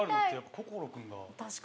心君が。